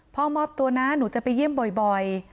มอบตัวนะหนูจะไปเยี่ยมบ่อย